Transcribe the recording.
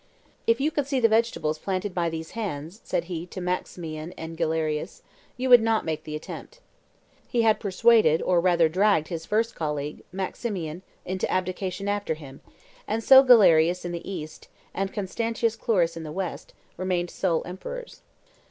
"If you could see the vegetables planted by these hands," said he to Maximian and Galerius, "you would not make the attempt." He had persuaded or rather dragged his first colleague, Maximian, into abdication after him; and so Galerius in the East, and Constantius Chlorus in the West, remained sole emperors.